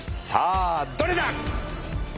さあどれだ？